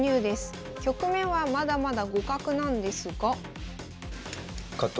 局面はまだまだ互角なんですが。